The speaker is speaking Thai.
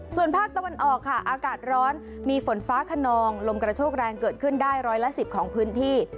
ส่วนภาคตะวันออกค่ะอากาศร้อนมีฝนฟ้าขนองลมกระโชกแรงเกิดขึ้นได้ร้อยละ๑๐ของพื้นที่